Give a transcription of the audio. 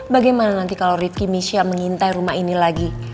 bagaimana nanti kalo ritki michelle mengintai rumah ini lagi